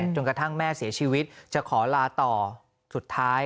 จนกระทั่งแม่เสียชีวิตจะขอลาต่อสุดท้าย